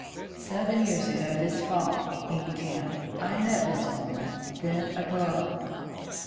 "Seven years ago this fall," he began, "I met this woman, then a girl."